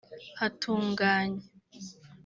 hatunganye